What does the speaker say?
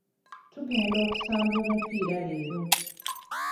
Tugenda okusamba omupiira leero.